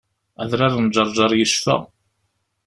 Adrar n Ǧerğer yecfa.